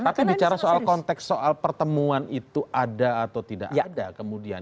tapi bicara soal konteks soal pertemuan itu ada atau tidak ada kemudian